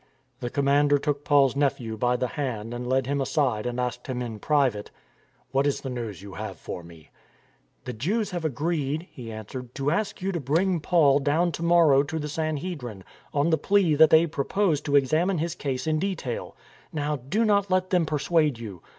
The commander took Paul's nephew by the hand and led him aside and asked him in private, " What is the news you have for me? "" The Jews have agreed," he answered, " to ask you to bring Paul down to morrow to the Sanhedrin, on the plea that they propose to examine his case in detail. Now, do not let them persuade you.